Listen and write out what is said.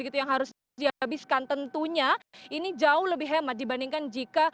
menggunakan biaya atau pengeluaran atau bensin begitu yang harus dihabiskan tentunya ini jauh lebih hemat dibandingkan jika